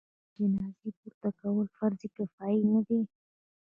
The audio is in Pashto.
آیا د جنازې پورته کول فرض کفایي نه دی؟